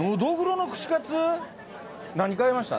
何買いました？